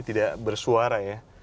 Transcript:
tidak bersuara ya